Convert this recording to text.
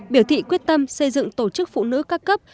biểu thị quyết tâm xây dựng tổ chức phụ nữ các cấp